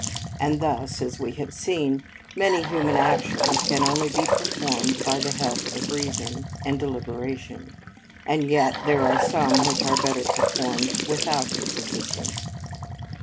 And thus, as we have seen, many human actions can only be performed by the help of reason and deliberation, and yet there are some which are better performed without its assistance.